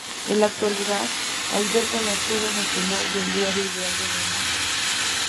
En la actualidad alberga la sede social del Diario Ideal de Granada.